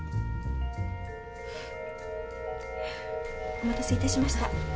お待たせいたしました。